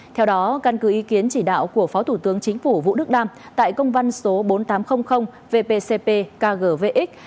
theo đó căn cứ ý kiến chỉ đạo của phó thủ tướng chính phủ vũ đức đam tại công văn số bốn nghìn tám trăm linh vpcp kgvx